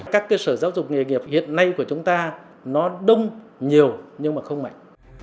các cơ sở giáo dục nghề nghiệp hiện nay của chúng ta nó đông nhiều nhưng mà không mạnh